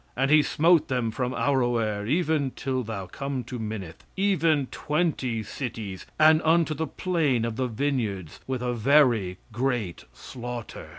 "And he smote them from Aroer, even till thou come to Minnith, even twenty cities, and unto the plain of the vineyards with a very great slaughter.